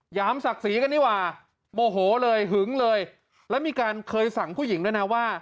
หยามศักดิ์ศรีกันดีกว่าโมโหเลยหึงเลยแล้วมีการเคยสั่งผู้หญิงด้วยนะว่า